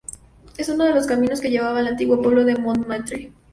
Es uno de los caminos que llevaba al antiguo pueblo de Montmartre.